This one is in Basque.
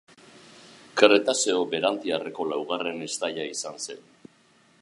Kretazeo Berantiarreko laugarren estaia izan zen.